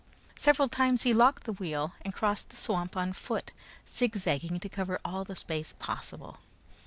Several times he locked the wheel and crossed the swamp on foot, zigzagging to cover all the space possible.